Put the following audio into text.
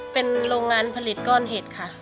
เป็นโรงงานผลิตก้อนเห็ดค่ะ